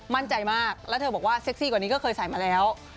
มั่นใจมากแล้วเธอบอกว่าเซ็กซี่กว่านี้ก็เคยใส่มาแล้ว